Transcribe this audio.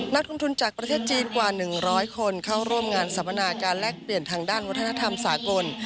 นักทุนจากประเทศจีนกว่า๑๐๐คนเข้าร่วมงานสัมมนาการแลกเปลี่ยนทางด้านวัฒนธรรมสากล